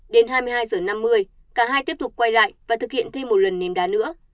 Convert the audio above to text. đến hai mươi hai h năm mươi cả hai tiếp tục quay lại và thực hiện thêm một lần ném đá nữa